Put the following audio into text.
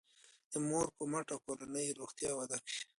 د مور په مټه کورنی روغتیا وده کوي.